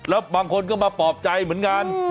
แล้วบางคนก็มาปลอบใจเหมือนกัน